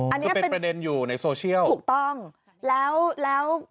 อันนี้เป็นประเด็นอยู่ในโซเชียล